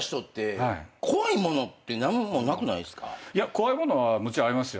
いや怖いものはもちろんありますよ。